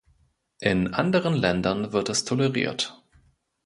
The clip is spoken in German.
In anderen Ländern wird es toleriert.